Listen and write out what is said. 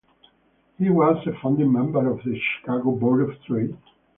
He was a founding member of the Chicago Board of Trade.